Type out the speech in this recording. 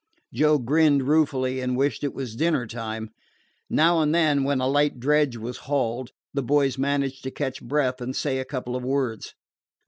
Joe grinned ruefully and wished it was dinner time. Now and then, when a light dredge was hauled, the boys managed to catch breath and say a couple of words.